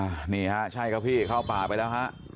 โอ้โฮอ่านี่ค่ะใช่ครับพี่เข้าป่าไปแล้วนะ